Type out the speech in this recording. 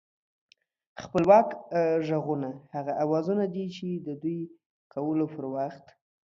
خپلواک غږونه هغه اوازونه دي چې د دوی کولو پر وخت